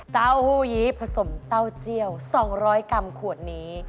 เต้าหู้ยีผสมเต้าเจี่ยว๒๐๐กรัมขวดนี้